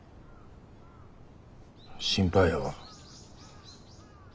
心配やわ。